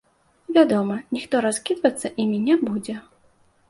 Вядома, ніхто раскідвацца імі не будзе.